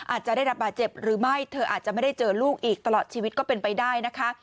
อาจจะได้รับบาดเจ็บหรือไม่เธออาจจะไม่ได้เจอลูกอีกตลอดชีวิตก็เป็นไปได้นะคะ